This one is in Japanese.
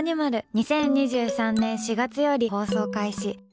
２０２３年４月より放送開始。